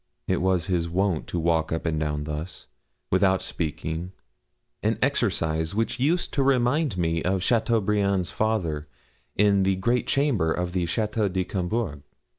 It was his wont to walk up and down thus, without speaking an exercise which used to remind me of Chateaubriand's father in the great chamber of the Château de Combourg.